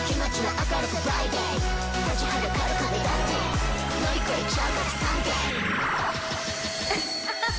アハハハ！